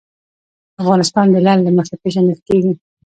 افغانستان د لعل له مخې پېژندل کېږي.